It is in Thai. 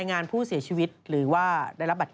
สนับสนุนโดยดีที่สุดคือการให้ไม่สิ้นสุด